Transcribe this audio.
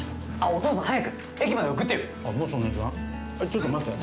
お父さん、早く駅まで送ってよ。